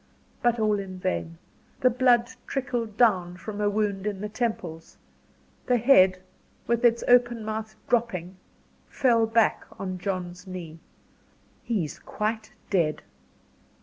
But all in vain. The blood trickled down from a wound in the temples the head, with its open mouth dropping, fell back upon John's knee. "He is quite dead."